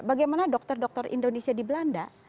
bagaimana dokter dokter indonesia di belanda